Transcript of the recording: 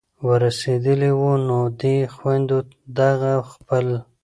ور رسېدلي وو نو دې خویندو دغه خپل